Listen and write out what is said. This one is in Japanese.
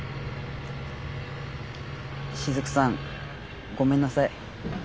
しずくさんごめんなさい。